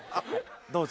どうぞ。